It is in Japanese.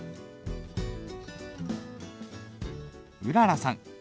うららさん。